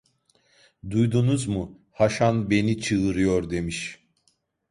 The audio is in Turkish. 'Duydunuz mu? Haşan beni çığırıyor!' demiş.